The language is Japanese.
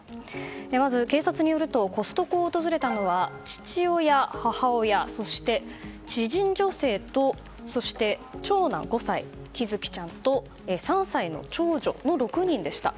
まず警察によるとコストコを訪れたのは父親、母親そして知人女性と、長男５歳喜寿生ちゃんと３歳の長女の６人でした。